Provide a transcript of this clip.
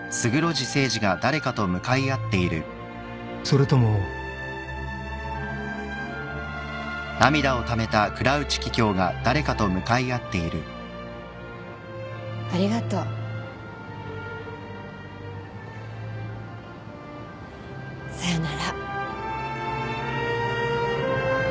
［それとも］ありがとう。さよなら。